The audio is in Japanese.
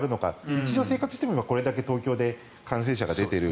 日常生活していてこれだけ東京で感染者が出ている。